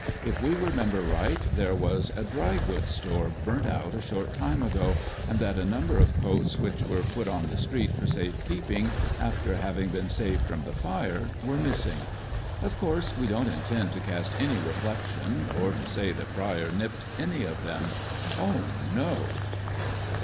If we remember right, there was a dry goods store burnt out a short time ago, and that a number of coats which were put on the street for safe keeping, after having been saved from the fire, were missing. Of course we don't in tend to cast any reflection, or to say that Brier nipped any of them. Oh no